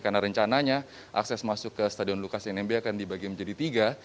karena rencananya akses masuk ke stadion lukas nmb akan dibagi menjadi tiga